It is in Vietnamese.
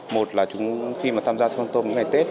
một là khi mà tham gia trong tôm những ngày tết